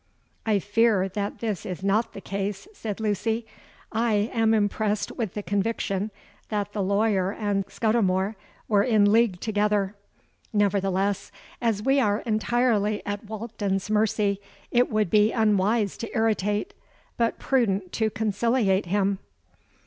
'—'I fear that this is not the case,' said Lucy: 'I am impressed with the conviction that the lawyer and Scudimore were in league together. Nevertheless, as we are entirely at Walkden's mercy, it would be unwise to irritate, but prudent to conciliate him.'